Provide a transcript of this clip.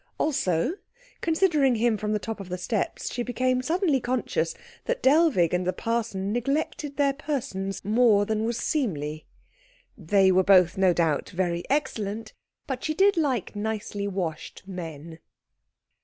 Also, considering him from the top of the steps, she became suddenly conscious that Dellwig and the parson neglected their persons more than was seemly. They were both no doubt very excellent; but she did like nicely washed men.